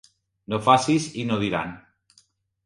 No facis i no diran.